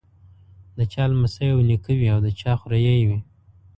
د چا لمسی او نیکه وي او د چا خوريی وي.